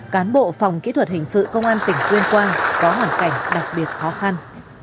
cán bộ phòng kỹ thuật hình sự công an tỉnh tuyên quang có hoàn cảnh đặc biệt khó khăn